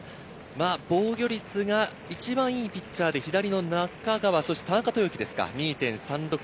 防御率が一番いいピッチャーで左の中川、田中豊樹です。